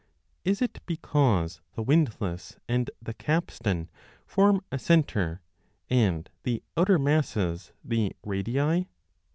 Is it because the windlass and the capstan form a centre and the outer masses 4 the radii